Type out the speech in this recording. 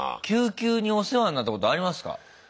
救急にお世話になったことありますか？